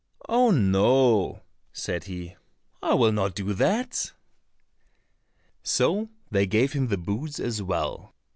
"Oh, no," said he, "I will not do that." So they gave him the boots as well.